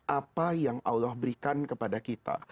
apa yang allah berikan kepada kita